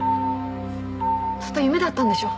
ずっと夢だったんでしょ？